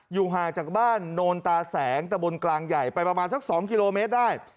อยู่ห่างจากบ้านโนนตาแสงตะบนกลางใหญ่ไปประมาณสัก๒กิโลเมตรได้